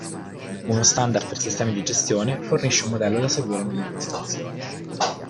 Uno standard per sistemi di gestione fornisce un modello da seguire nell’impostazione.